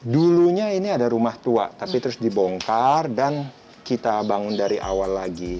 dulunya ini ada rumah tua tapi terus dibongkar dan kita bangun dari awal lagi